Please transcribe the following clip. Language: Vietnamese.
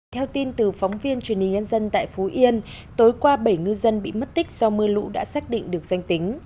theo tin từ phóng viên truyền hình nhân dân tại phú yên tối qua bảy ngư dân bị mất tích do mưa lũ đã xác định được danh tính